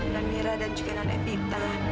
dan mira dan juga nenek pita